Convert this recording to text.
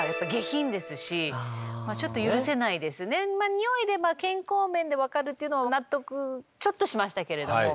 においで健康面で分かるっていうのは納得ちょっとしましたけれども。